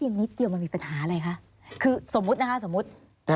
นิดเดียวมันมีปัญหาอะไรคะคือสมมุตินะคะสมมุติ